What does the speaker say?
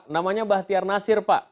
namanya bahtiar nasir pak